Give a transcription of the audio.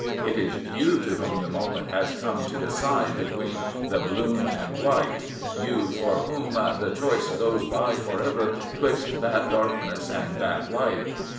It is you to whom the moment has come to decide between the " bloom and blight," you for whom " The choice goes by for ever 'twixt that darkness and that light."